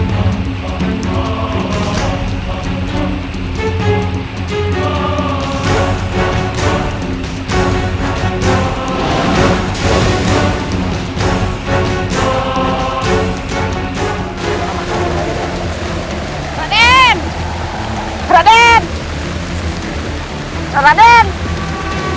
rai lihat perbuatanmu